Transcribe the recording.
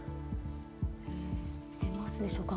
出ますでしょうか。